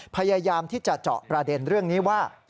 พยายามที่จะเจาะประเด็นเรื่องนี้ว่า